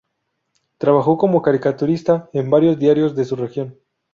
Trabajó como caricaturista en varios diarios de su región.